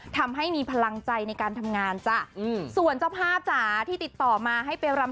ทำให้มีพลังใจในการทำงานจ้ะอืมส่วนเจ้าภาพจ๋าที่ติดต่อมาให้ไปรำ